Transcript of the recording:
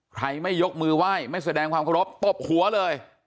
ไม่ยกมือไหว้ไม่แสดงความเคารพตบหัวเลย